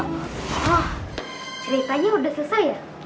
wah ceritanya udah selesai ya